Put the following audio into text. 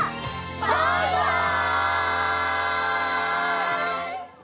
バイバイ！